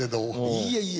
いえいえ。